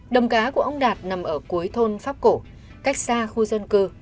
đồng cá của ông đạt nằm ở cuối thôn pháp cổ cách xa khu dân cư